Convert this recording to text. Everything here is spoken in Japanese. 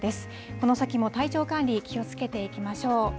この先も体調管理、気をつけていきましょう。